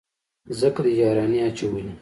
ځکه دې يارانې اچولي.